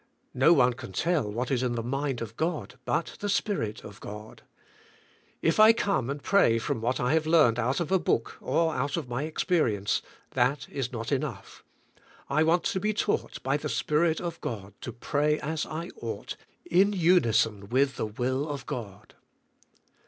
No one can tell what is in the mind of God but the Spirit of God. If I come and pray from what I have learned out of a book or out of my experience, that is not enough. I want to be taught by the Spirit of God to pray as I ought, in unison with the will of God.